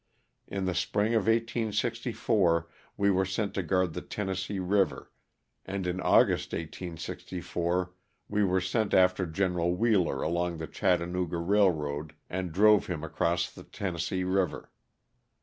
In the spring of 1864 we were sent to guard the Tennessee river, and in August 1864, we were sent after Gen. Wheeler along the Chattanooga railroad and drove him across the Ten nessee river.